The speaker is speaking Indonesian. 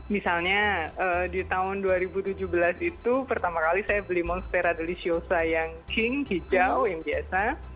misalnya di tahun dua ribu tujuh belas itu pertama kali saya beli monstera deliciosa yang king hijau yang biasa